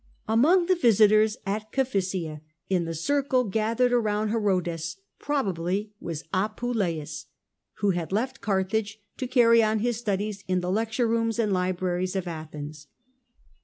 Among the visitors at Cephissia, in the circle gathered round Herodes, probably was Apuleius, who had Apuleius. Carthage to carry on his studies in the lecture rooms and libraries of Athens.